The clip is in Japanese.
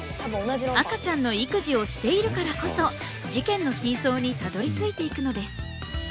赤ちゃんの育児をしているからこそ事件の真相にたどりついていくのです。